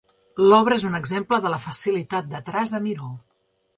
L'obra és un exemple de la facilitat de traç de Miró.